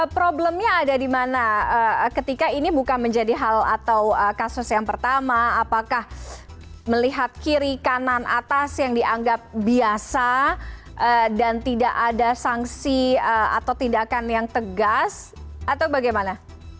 problemnya ada di mana ketika ini bukan menjadi hal atau kasus yang pertama apakah melihat kiri kanan atas yang dianggap biasa dan tidak ada sanksi atau tindakan yang tegas atau bagaimana